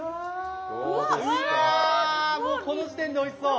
うわもうこの時点でおいしそう。